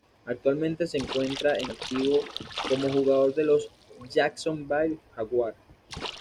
Actualmente se encuentra en activo como jugador de los Jacksonville Jaguars.